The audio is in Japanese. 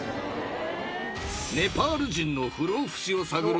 ［ネパール人の不老不死を探る。